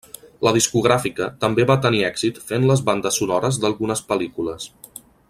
La discogràfica també va tenir èxit fent les bandes sonores d'algunes pel·lícules.